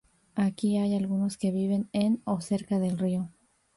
Aquí hay algunos que viven en o cerca del río.